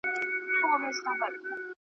خپل پوستين به يې د غلو په لاس كي لوېږي .